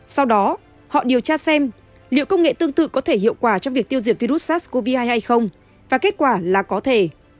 sau đó họ điều tra xem liệu công nghệ tương tự có thể hiệu quả trong việc tiêu diệt virus sars cov hai hay không và kết quả là có thể